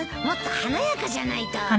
もっと華やかじゃないと。